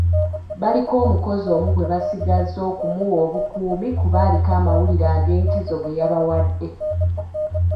Baliko omukozi omu gwe basigazza okumuwa obukuumi kuba aliko amawulire ag'enkizo ge yabawadde.